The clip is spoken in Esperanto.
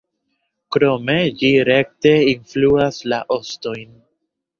Krome ĝi rekte influas la ostojn.